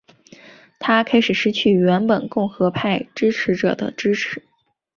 他开始失去原本共和派支持者的支持。